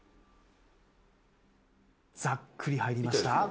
ざっくり入りました。